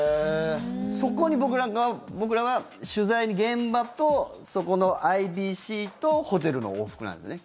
そこに僕らは取材に現場と、そこのＩＢＣとホテルの往復なんだよね。